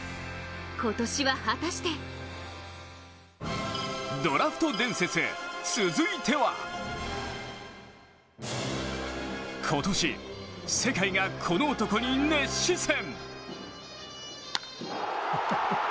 今年は果たして今年、世界がこの男に熱視線。